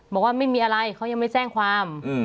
บอกว่าไม่มีอะไรเขายังไม่แจ้งความ